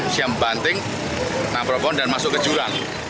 siap banting nabrak pohon dan masuk ke jurang